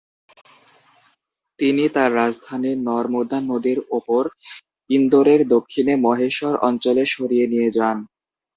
তিনি তার রাজধানী নর্মদা নদীর ওপর ইন্দোরের দক্ষিণে মহেশ্বর অঞ্চলে সরিয়ে নিয়ে যান।